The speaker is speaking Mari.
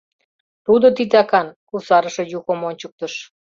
— Тудо титакан, — кусарыше Юхом ончыктыш.